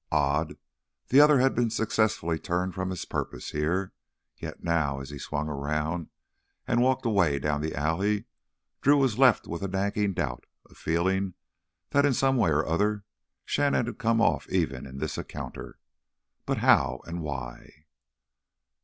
Odd, the other had been successfully turned from his purpose here. Yet now as he swung around and walked away down the alley Drew was left with a nagging doubt, a feeling that in some way or other Shannon had come off even in this encounter.... But how and why?